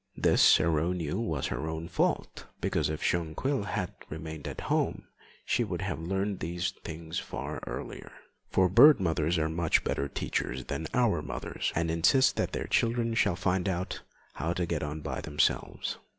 This Aurore knew was her own fault, because if Jonquil had remained at home she would have learned these things far earlier, for bird mothers are much better teachers than our mothers, and insist that their children shall find out how to get on by themselves.